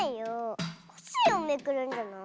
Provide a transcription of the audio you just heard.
コッシーをめくるんじゃない？